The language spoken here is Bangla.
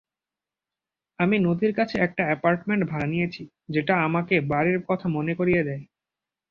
আমি নদীর কাছে একটা অ্যাপার্টমেন্ট ভাড়া নিয়েছি যেটা আমাকে বাড়ির কথা মনে করিয়ে দেই।